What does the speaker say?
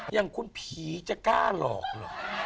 อย่างคุณผีจะกล้าหลอกเหรอ